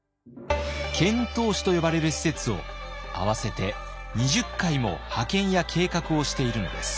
遣唐使と呼ばれる使節を合わせて２０回も派遣や計画をしているのです。